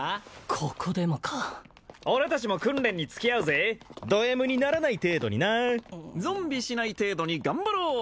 ここでもか俺達も訓練に付き合うぜドＭにならない程度になゾンビしない程度に頑張ろう！